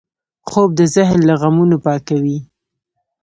خوب د ذهن له غمونو پاکوي